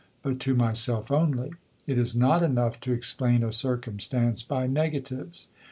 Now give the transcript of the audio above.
But to myself only. It is not enough to explain a circumstance by negatives.